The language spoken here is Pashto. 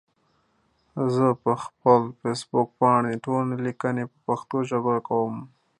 زه پخپل فيسبوک پاڼې ټولي ليکني په پښتو ژبه کوم